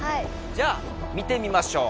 じゃあ見てみましょう。